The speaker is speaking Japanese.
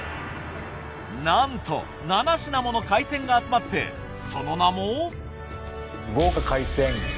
なんと７品もの海鮮が集まってその名も。